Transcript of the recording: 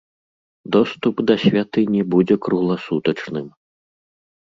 Доступ да святыні будзе кругласутачным.